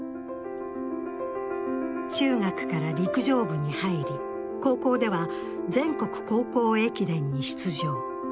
中学から陸上部に入り、高校では全国高校駅伝に出場。